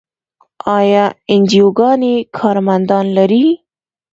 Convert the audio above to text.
آیا انجیوګانې کارمندان لري؟